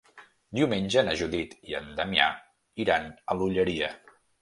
Diumenge na Judit i en Damià iran a l'Olleria.